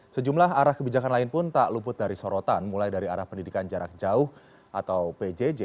sejumlah arah kebijakan lain pun tak luput dari sorotan mulai dari arah pendidikan jarak jauh atau pjj